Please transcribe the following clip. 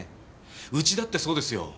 うちだってそうですよ。